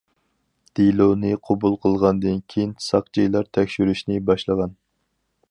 دېلونى قوبۇل قىلغاندىن كېيىن ساقچىلار تەكشۈرۈشنى باشلىغان.